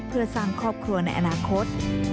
เพื่อสร้างครอบครัวในอนาคต